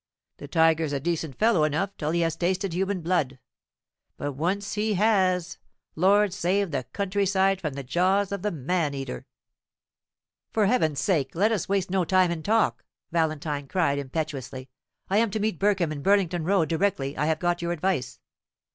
The tiger's a decent fellow enough till he has tasted human blood; but when once he has, Lord save the country side from the jaws of the man eater!" "For Heaven's sake let us waste no time in talk!" Valentine cried, impetuously. "I am to meet Burkham in Burlington Row directly I have got your advice."